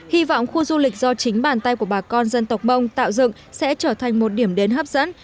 hy vọng khu du lịch do chính bàn tay của bà con dân tộc mông tạo dựng sẽ trở thành một điểm đến hấp dẫn